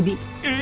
え